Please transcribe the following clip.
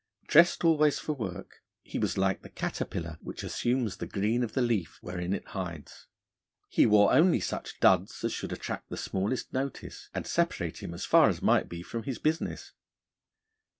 Dressed always for work, he was like the caterpillar which assumes the green of the leaf, wherein it hides: he wore only such duds as should attract the smallest notice, and separate him as far as might be from his business.